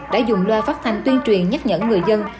đã dùng loa phát thanh tuyên truyền nhắc nhở người dân